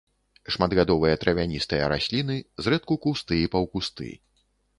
Шматгадовыя травяністыя расліны, зрэдку кусты і паўкусты.